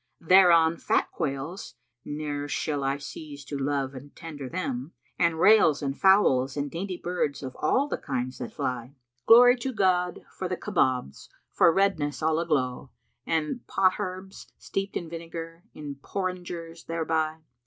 Thereon fat quails (ne'er shall I cease to love and tender them) * And rails and fowls and dainty birds of all the kinds that fly. Glory to God for the Kabobs, for redness all aglow, * And potherbs, steeped in vinegar, in porringers thereby!